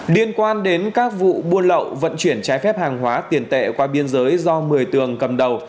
liên quan đến các vụ buôn lậu vận chuyển trái phép hàng hóa tiền tệ qua biên giới do một mươi tường cầm đầu